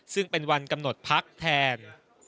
ซึ่งเป็นวันกำหนดพักแทน